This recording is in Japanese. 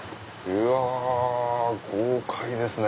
うわ豪快ですね！